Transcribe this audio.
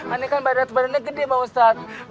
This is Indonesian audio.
aneh kan badan badannya gede bang ustaz